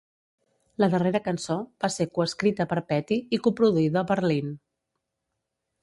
La darrera cançó va ser co-escrita per Petty i coproduïda per Lynne.